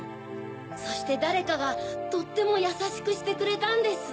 そしてだれかがとってもやさしくしてくれたんです。